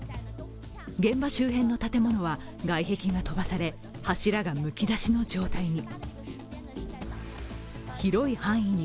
現場周辺の建物は外壁が飛ばされ、柱がむきだしの状態に。